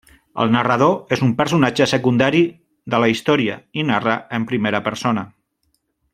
El narrador és un personatge secundari de la història i narra en primera persona.